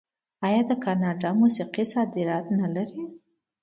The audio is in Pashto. آیا د کاناډا موسیقي صادرات نلري؟